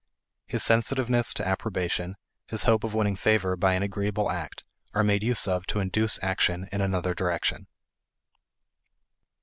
His sensitiveness to approbation, his hope of winning favor by an agreeable act, are made use of to induce action in another direction.